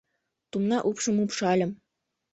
Тумна упшым упшальым